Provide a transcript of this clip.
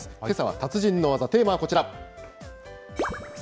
けさは達人の技、テーマはこちら。